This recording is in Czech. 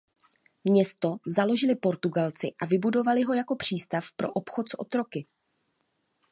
Město založili Portugalci a vybudovali ho jako přístav pro obchod s otroky.